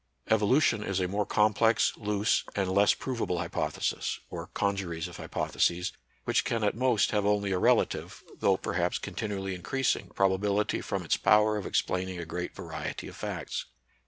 Evolution is a more complex, loose, and less provable hypothesis, or congeries of hypotheses, which can at most have only a rela tive, though perhaps continually increasing prob ability from its power of explaining a great variety of facts.